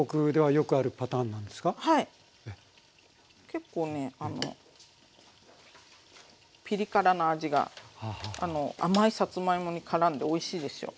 結構ねあのピリ辛な味が甘いさつまいもにからんでおいしいですよ。